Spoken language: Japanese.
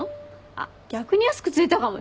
あっ逆に安くついたかもよ。